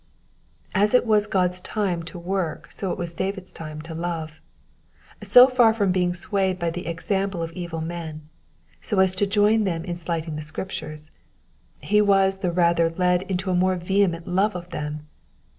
''* As it was God's time to work so it was David's time to love. So far from being swayed by the example of evil men, so as to join them in slighting the Scriptures, he was the rather led into a more vehement love of them..